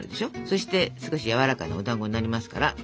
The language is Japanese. そして少しやわらかなおだんごになりますから。